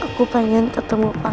aku pengen ketemu pangeran